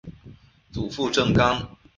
祖父郑刚。